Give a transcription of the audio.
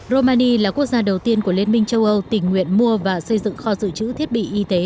romani là quốc gia đầu tiên của liên minh châu âu tình nguyện mua và xây dựng kho dự trữ thiết bị y tế